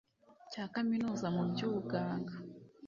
cya kaminuza mu by ubuganga